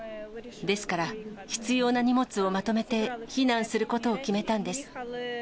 ですから、必要な荷物をまとめて避難することを決めたんです。